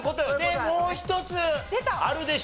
でもう一つあるでしょ。